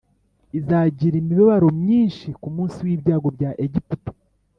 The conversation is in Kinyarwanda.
Izagira imibabaro myinshi ku munsi w ibyago bya Egiputa